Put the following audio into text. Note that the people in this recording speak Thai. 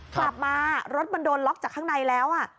กลับมารถมันโดนล็อกจากข้างในแล้ว